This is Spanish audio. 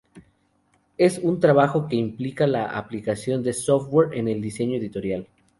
Es un trabajo que implica la aplicación de software en el diseño editorial.